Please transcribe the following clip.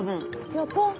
横？